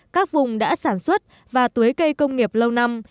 các vùng đã sản xuất và tuế cây công nghiệp lâu năm